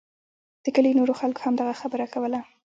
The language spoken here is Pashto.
د کلي نورو خلکو هم دغه خبره کوله.